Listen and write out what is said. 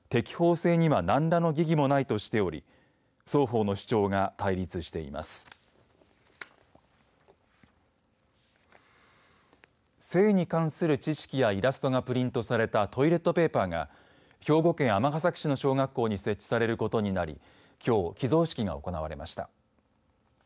性に関する知識やイラストがプリントされたトイレットペーパーが兵庫県尼崎市の小学校に設置されることになりきょう寄贈式が行われました。